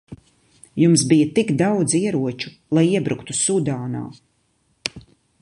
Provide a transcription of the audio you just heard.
Jums bija tik daudz ieroču, lai iebruktu Sudānā.